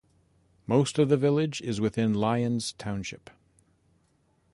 Most of the village is within Lyons Township.